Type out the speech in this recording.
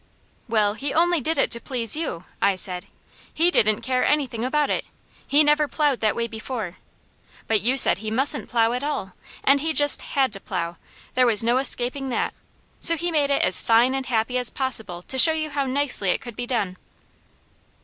"Well, he only did it to please you," I said. "He didn't care anything about it. He never plowed that way before. But you said he mustn't plow at all, and he just had to plow, there was no escaping that, so he made it as fine and happy as possible to show you how nicely it could be done."